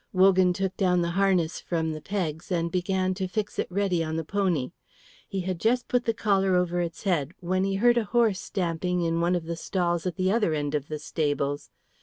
Wogan took down the harness from the pegs and began to fix it ready on the pony. He had just put the collar over its head when he heard a horse stamping in one of the stalls at the other end of the stables.